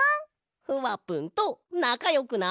ふわぷんとなかよくな！